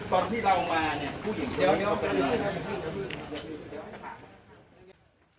โปรดติดตามตอนต่อไป